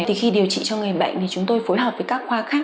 thì khi điều trị cho người bệnh thì chúng tôi phối hợp với các khoa khác